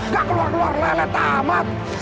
gak keluar keluar amat